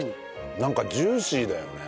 なんかジューシーだよね。